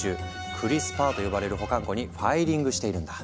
「クリスパー」と呼ばれる保管庫にファイリングしているんだ。